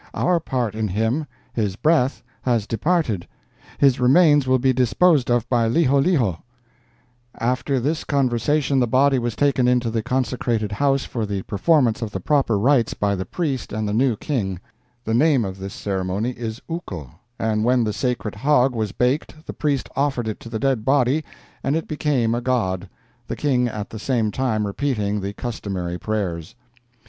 Our part in him—his breath—has departed; his remains will be disposed of by Liholiho.' "After this conversation the body was taken into the consecrated house for the performance of the proper rites by the priest and the new King. The name of this ceremony is uko; and when the sacred hog was baked the priest offered it to the dead body, and it became a god, the King at the same time repeating the customary prayers.